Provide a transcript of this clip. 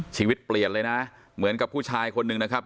ชีวิตเปลี่ยนเลยนะเหมือนกับผู้ชายคนหนึ่งนะครับ